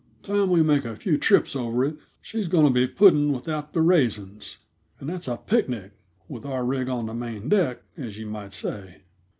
Time we make a few trips over it, she's going to be pudding without the raisins. And that's a picnic, with our rig on the main deck, as you might say."